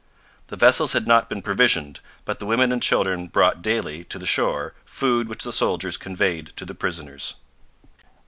The vessels had not been provisioned; but the women and children brought daily to the shore food which the soldiers conveyed to the prisoners.